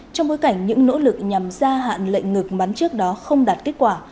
trong bối cảnh những nỗ lực nhằm gia hạn lệnh ngực bắn trước đó không đạt kết quả